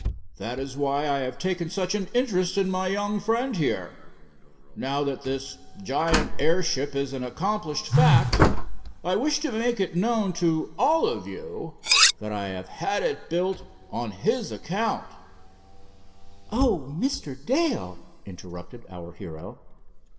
That is why I have taken such an interest in my young friend here. Now that this giant airship is an accomplished fact, I wish to make it known to all of you that I have had it built on his account——" "Oh, Mr. Dale!" interrupted our hero.